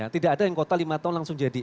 tidak ada yang kuota lima tahun langsung jadi